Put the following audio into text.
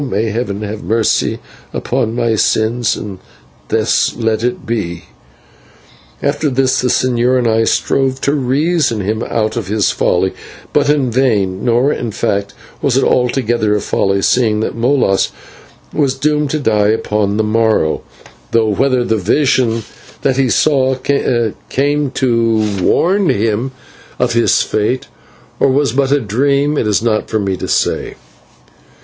May Heaven have mercy on my sins, and thus let it be." After this the señor and I strove to reason him out of his folly, but in vain, nor, in fact, was it altogether a folly, seeing that Molas was doomed to die upon the morrow; though whether the vision that he saw came to warn him of his fate, or was but a dream, it is not for me to say.